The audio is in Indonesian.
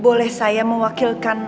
boleh saya mewakilkan